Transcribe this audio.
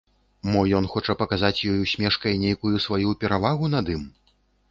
Мо ён хоча паказаць ёй, усмешкай, нейкую сваю перавагу над ім?